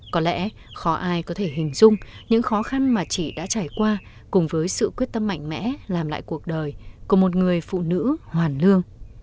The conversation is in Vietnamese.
có lẽ khó ai có thể hình dung những khó khăn mà chị đã trải qua cùng với sự quyết tâm mạnh mẽ làm lại cuộc đời của một người phụ nữ hoàn lương